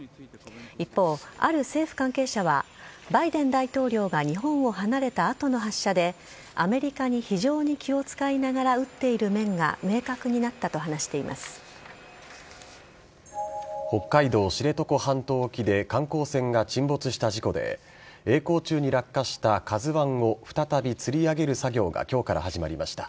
一方、ある政府関係者はバイデン大統領が日本を離れた後の発射でアメリカに非常に気を使いながら撃っている面が北海道知床半島沖で観光船が沈没した事故でえい航中に落下した「ＫＡＺＵ１」を再びつり上げる作業が今日から始まりました。